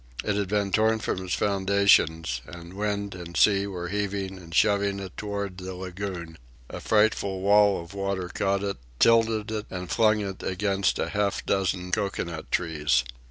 It had been torn from its foundations, and wind and sea were heaving and shoving it toward the lagoon. A frightful wall of water caught it, tilted it, and flung it against half a dozen cocoanut trees.